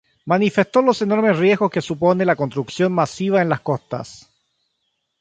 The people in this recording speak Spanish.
manifestó los enormes riesgos que supone la construcción masiva en las costas